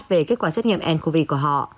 về kết quả xét nghiệm ncov của họ